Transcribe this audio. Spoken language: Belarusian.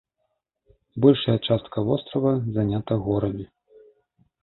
Большая частка вострава занята горамі.